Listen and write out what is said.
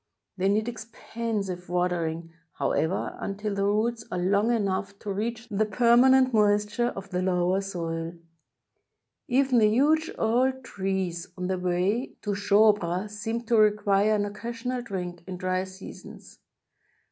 They need expensive watering, however, imtil the roots are long enough to reach the permanent moist ure of the lower soil. Even the huge old trees on the way 60 A TRIP TO THE PYRAMIDS to Shoobra seem to require an occasional drink, in dry seasons.